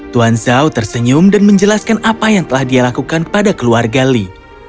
tuan zhao tersenyum dan menjelaskan apa yang telah dia lakukan pada keluarga lee